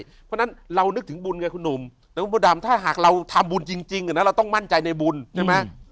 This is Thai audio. เพราะฉะนั้นเรานึกถึงบุญไงคุณหนุ่มแต่คุณพระดำถ้าหากเราทำบุญจริงเราต้องมั่นใจในบุญใช่ไหม